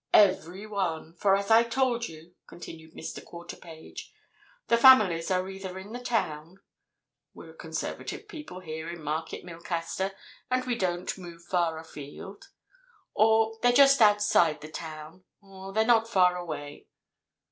"Every one! For as I told you," continued Mr. Quarterpage, "the families are either in the town (we're a conservative people here in Market Milcaster and we don't move far afield) or they're just outside the town, or they're not far away.